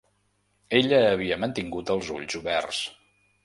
Ella havia mantingut els ulls oberts.